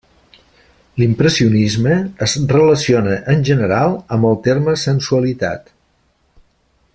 L'impressionisme es relaciona, en general, amb el terme sensualitat.